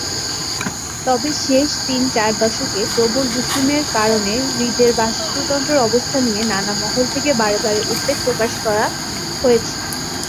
তবে শেষ তিন-চার দশকে প্রবল দূষণের কারণে হ্রদের বাস্তুতন্ত্রের অবস্থা নিয়ে নানা মহল থেকে বারে বারে উদ্বেগ প্রকাশ করা হয়েছে।